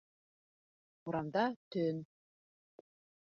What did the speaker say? Урамда төн.